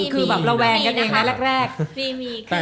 ก็มีมีนะคะ